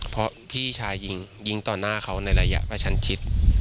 เพราะพี่ชายยิงต่อหน้าเขาในระยะประชันชิด